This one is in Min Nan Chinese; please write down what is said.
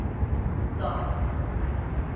啄